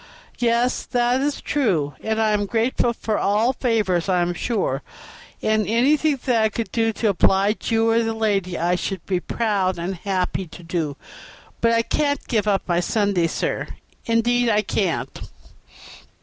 "Yes, sir, that is true, and I am grateful for all favors, I am sure; and anything that I could do to oblige you, or the lady, I should be proud and happy to do; but I can't give up my Sundays, sir, indeed I can't.